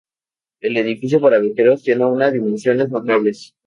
El edificio para viajeros tiene una dimensiones notables.